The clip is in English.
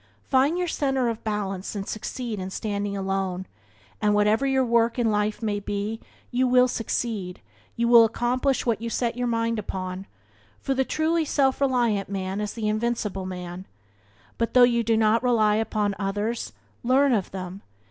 Find your centre of balance and succeed in standing alone, and, whatever your work in life may be, you will succeed; you will accomplish what you set your mind upon , for the truly self reliant man is the invincible man. But though you do not rely upon others, learn of them.